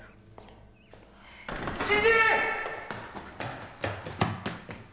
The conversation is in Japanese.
知事！